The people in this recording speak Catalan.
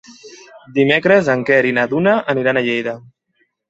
Dimecres en Quer i na Duna aniran a Lleida.